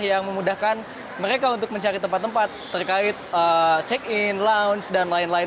yang memudahkan mereka untuk mencari tempat tempat terkait check in lounge dan lain lain